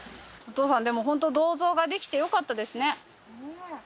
お父さんでもホント銅像ができてよかったですね。